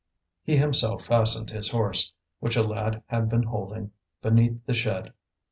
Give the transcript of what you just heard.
He himself fastened his horse, which a lad had been holding, beneath the shed.